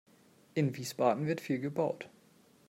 In Wiesbaden wird viel gebaut.